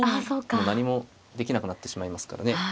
もう何もできなくなってしまいますからね。